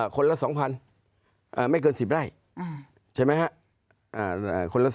คนละ๒๐๐ไม่เกิน๑๐ไร่ใช่ไหมครับ